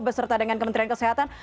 beserta dengan kementerian kesehatan